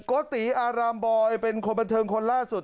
โกติอารามบอยเป็นคนบันเทิงคนล่าสุด